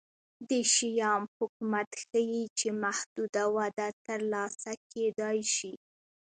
د شیام حکومت ښيي چې محدوده وده ترلاسه کېدای شي